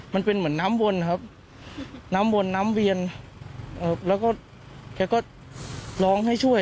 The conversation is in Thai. มันเป็นเหมือนน้ำวนครับน้ำวนน้ำเวียนแล้วก็แกก็ร้องให้ช่วย